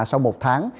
sau một tháng